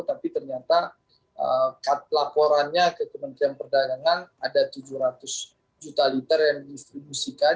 tapi ternyata laporannya ke kementerian perdagangan ada tujuh ratus juta liter yang didistribusikan